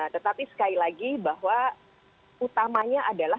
tetapi sekali lagi bahwa utamanya adalah